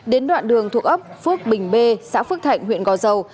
đến đoạn đường thuộc ấp phước bình b xã phước thạnh huyện gò dầu